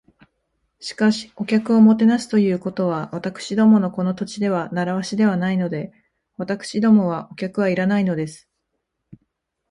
「しかし、お客をもてなすということは、私どものこの土地では慣わしではないので。私どもはお客はいらないのです」